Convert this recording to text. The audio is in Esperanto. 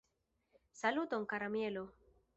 Saluton kara Mielo!